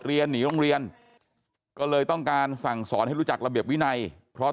เรียนหนีโรงเรียนก็เลยต้องการสั่งสอนให้รู้จักระเบียบวินัยเพราะ